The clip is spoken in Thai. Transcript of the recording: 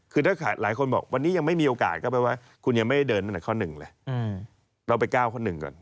คือถ้าหลายคนบอกวันนี้ยังไม่มีโอกาสก็แปลว่าคุณยังไม่ได้เดินตั้งแต่ข้อ๑เลยเราไปก้าวข้อ๑ก่อน